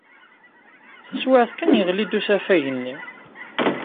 Taswiɛt kan, yeɣli-d usafag-nni.